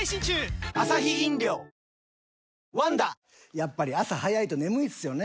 やっぱり朝早いと眠いっすよね